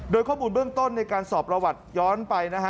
โดยข้อมูลเบื้องต้นในการสอบประวัติย้อนไปนะฮะ